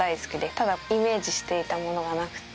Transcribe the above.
ただイメージしていたものがなくて。